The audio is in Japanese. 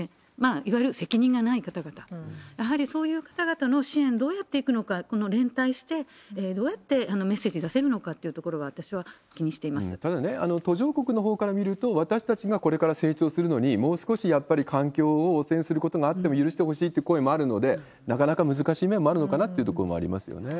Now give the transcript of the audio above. いわゆる責任がない方々、やはりそういう方々の支援、どうやっていくのか、この連帯して、どうやってメッセージを出せるのかというところを私は気にしていただね、途上国のほうから見ると、私たちがこれから成長するのにもう少しやっぱり環境を汚染することがあっても許してほしいって声もあるので、なかなか難しい面もあるのかなというところもありますよね。